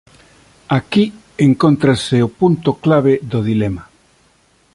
Aquí encóntrase o punto clave do dilema.